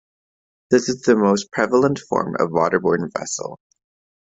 This is the most prevalent form of waterborne vessel.